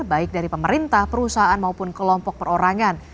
baik dari pemerintah perusahaan maupun kelompok perorangan